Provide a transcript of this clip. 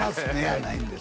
やないんです